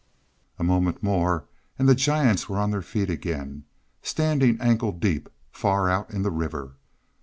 A moment more and the giants were on their feet again, standing ankle deep, far out in the river.